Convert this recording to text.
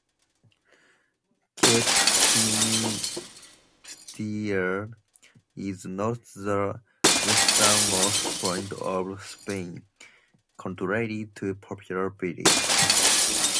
Cape Finisterre is not the westernmost point of Spain, contrary to popular belief.